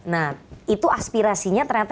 nah itu aspirasinya ternyata